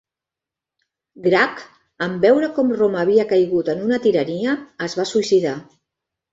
Grac, en veure com Roma havia caigut en una tirania, es va suïcidar.